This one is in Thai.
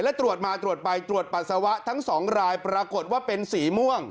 และตรวจมาตรวจไปตรวจปัสสาวะทั้งสองรายปรากฏว่าเป็นสีม่วง